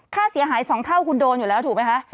ค่าเสียหาย๒เท่าคุณโดนอยู่แล้วถูกไหมคะ